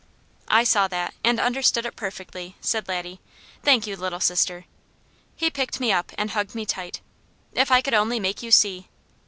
"I saw that, and understood it perfectly," said Laddie. "Thank you, Little Sister." He picked me up and hugged me tight. "If I could only make you see!"